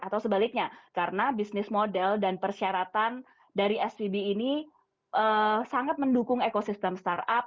atau sebaliknya karena bisnis model dan persyaratan dari svb ini sangat mendukung ekosistem startup